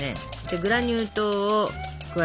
グラニュー糖を加えますよ。